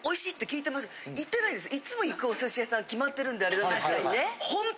いつも行くお寿司屋さん決まってるんであれなんですけど。